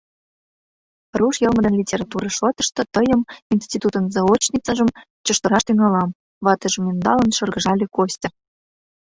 Руш йылме ден литература шотышто тыйым, институтын заочницажым, чыштыраш тӱҥалам, — ватыжым ӧндалын, шыргыжале Костя.